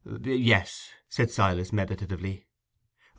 "Yes," said Silas, meditatively.